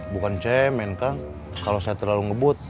bukan cemen kang kalau saya terlalu ngebut